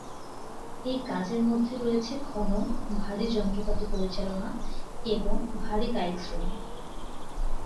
এই কাজের মধ্যে রয়েছে খনন, ভারী যন্ত্রপাতি পরিচালনা এবং ভারী কায়িক শ্রম।